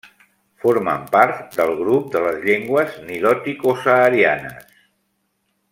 Formen part del grup de les llengües niloticosaharianes.